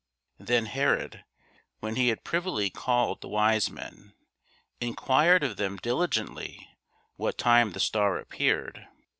Then Herod, when he had privily called the wise men, enquired of them diligently what time the star appeared.